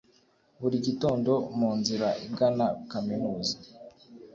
buri gitondo mu nzira igana kaminuza